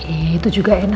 itu juga enak juga ya